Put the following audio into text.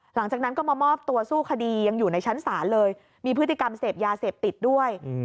หลังจากนั้นก็มามอบตัวสู้คดียังอยู่ในชั้นศาลเลยมีพฤติกรรมเสพยาเสพติดด้วย